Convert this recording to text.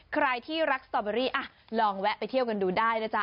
ใครที่รักสตอเบอรี่ลองแวะไปเที่ยวกันดูได้นะจ๊